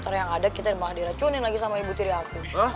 dokter yang ada kita malah diracunin lagi sama ibu tiri aku